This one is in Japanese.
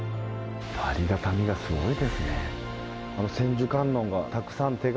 ありがたみがすごいですね。